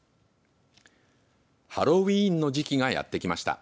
ハロウィーンの時期がやってきました。